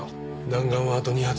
弾丸はあと２発。